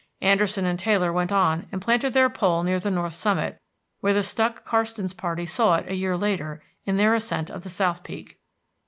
Anderson and Taylor went on and planted their pole near the North summit, where the Stuck Karstens party saw it a year later in their ascent of the South Peak.